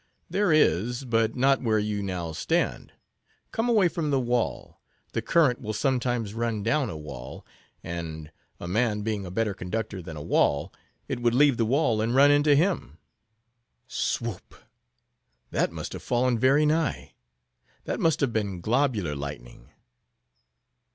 "There is; but not where you now stand. Come away from the wall. The current will sometimes run down a wall, and—a man being a better conductor than a wall—it would leave the wall and run into him. Swoop! That must have fallen very nigh. That must have been globular lightning."